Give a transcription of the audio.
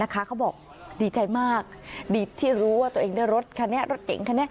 เขาบอกดีใจมากดีที่รู้ว่าตัวเองได้รถค่ะรถเก่งค่ะ